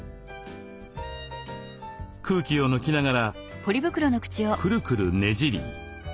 空気を抜きながらクルクルねじり。